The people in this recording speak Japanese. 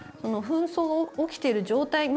紛争が起きている状態